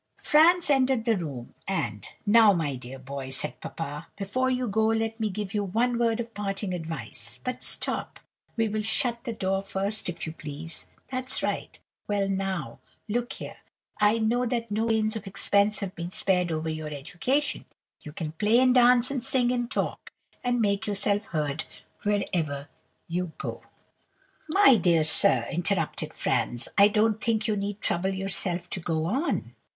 "Franz entered the room, and 'Now, my dear boy,' said papa, 'before you go, let me give you one word of parting advice; but stop, we will shut the door first, if you please. That's right. Well, now, look here. I know that no pains or expense have been spared over your education. You can play, and dance, and sing, and talk, and make yourself heard wherever you go.' "'My dear sir,' interrupted Franz, 'I don't think you need trouble yourself to go on.